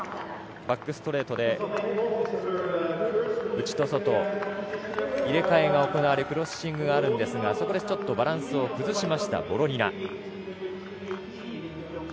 バックストレートで、内と外、入れ替えが行われクロッシングがあるんですがそこでちょっとバランスを崩しましたボロニナ。